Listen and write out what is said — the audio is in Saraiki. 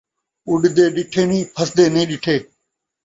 اݙدے ݙٹھے نی، پھسدے نی ݙٹھے